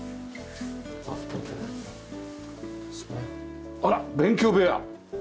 あら勉強部屋。